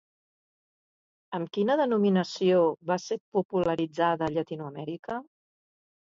Amb quina denominació va ser popularitzada a Llatinoamèrica?